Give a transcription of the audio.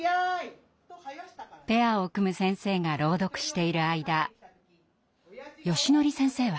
ペアを組む先生が朗読している間よしのり先生は。